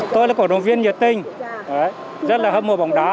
tôi là cổ động viên nhiệt tình rất là hâm mộ bóng đá